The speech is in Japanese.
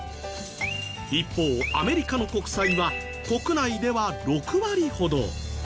一方アメリカの国債は国内では６割ほど。